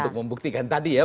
untuk membuktikan tadi ya